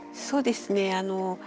そうですねあの。